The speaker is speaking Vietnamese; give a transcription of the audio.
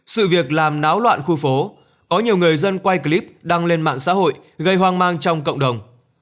sự việc làm náo loạn khu phố có nhiều người dân quay clip đăng lên mạng xã hội gây hoang mang trong cộng đồng